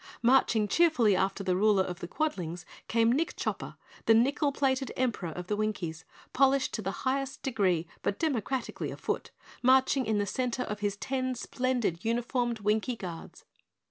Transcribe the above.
Marching cheerfully after the Ruler of the Quadlings came Nick Chopper the Nickel Plated Emperor of the Winkies, polished to the highest degree but democratically afoot, marching in the center of his ten splendid uniformed Winkie Guards.